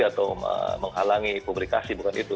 atau menghalangi publikasi bukan itu